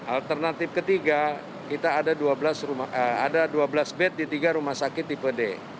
alternatif ketiga kita ada dua belas bed di tiga rumah sakit tipe d